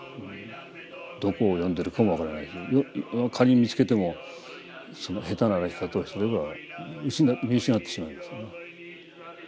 どこを読んでるかも分からないし仮に見つけても下手な歩き方をしてれば見失ってしまいますよね。